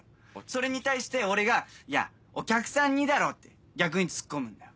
それに対して俺が「いやお客さんにだろ！」って逆にツッコむんだよ。